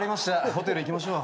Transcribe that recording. ホテル行きましょう。